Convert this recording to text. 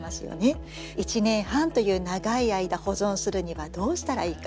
１年半という長い間保存するにはどうしたらいいか？